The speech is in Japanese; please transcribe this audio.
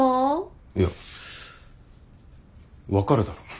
いや分かるだろ。